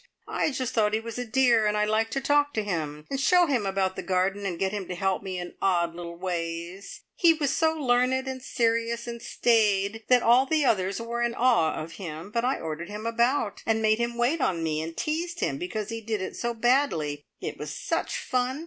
I just thought he was a dear, and liked to talk to him, and show him about the garden, and get him to help me in little odd ways. He was so learned and serious and staid that all the others were in awe of him, but I ordered him about, and made him wait on me, and teased him because he did it so badly. It was such fun!